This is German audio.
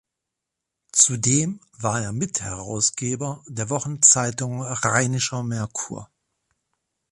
Zudem war er Mitherausgeber der Wochenzeitung "Rheinischer Merkur".